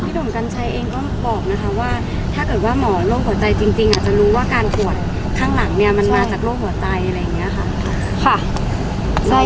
ภาษาสนิทยาลัยสุดท้าย